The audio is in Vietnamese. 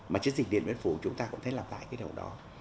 mà chiến dịch điện biên phủ chúng ta cũng thấy làm lại cái đầu đó